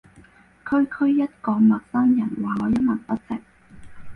區區一個陌生人話我一文不值